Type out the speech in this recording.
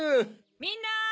・みんな！